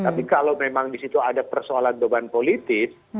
tapi kalau memang di situ ada persoalan beban politis